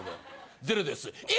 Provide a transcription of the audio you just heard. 「ゼロです」。